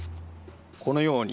このように。